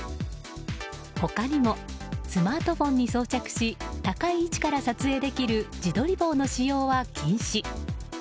他にも、スマートフォンに装着し高い位置から撮影できる自撮り棒の使用は禁止。